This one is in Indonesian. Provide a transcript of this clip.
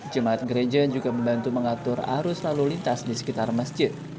jemaat gereja juga membantu mengatur arus lalu lintas di sekitar masjid